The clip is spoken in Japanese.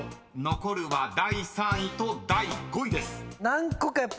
残るは第３位と第５位です］